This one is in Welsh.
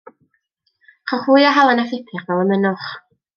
Rhowch fwy o halen a phupur fel y mynnwch.